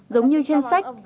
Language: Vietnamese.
giống như trên sách